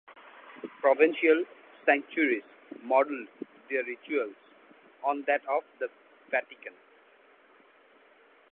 Provincial sanctuaries modeled their ritual on that of the Vatican.